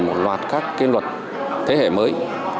một loạt các luật thế hệ mới